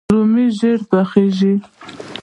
رومیان ژر پخیږي